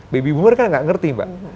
baby boomer kan nggak ngerti mbak